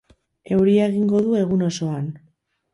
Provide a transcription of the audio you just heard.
Euria egingo du egun osoan.